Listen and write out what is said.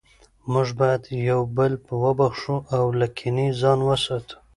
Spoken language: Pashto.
موږ باید یو بل وبخښو او له کینې ځان وساتو